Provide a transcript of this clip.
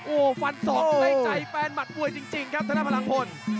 โอ้วฟันศอกได้ใจแปลนหมัดบ่วยจริงครับท่านท่านพลังพล